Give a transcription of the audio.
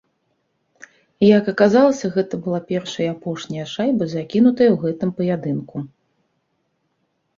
Як аказалася, гэта была першая і апошняя шайба, закінутая ў гэтым паядынку.